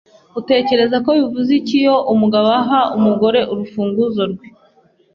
Utekereza ko bivuze iki iyo umugabo aha umugore urufunguzo rwe?